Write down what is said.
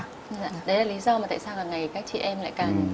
đấy là lý do mà tại sao ngày các chị em lại ca nhỉ